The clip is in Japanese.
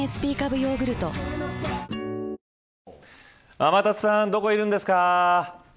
天達さん、どこいるんですか。